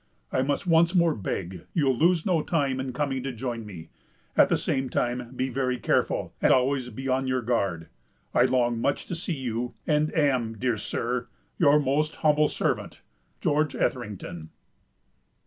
I must once more beg you'll lose no time in coming to join me; at the same time, be very careful, and always be on your guard. I long much to see you, and am, dear sir, "Your most humble serv't. GEO. ETHERINGTON.